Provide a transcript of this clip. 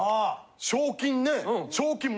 賞金ね。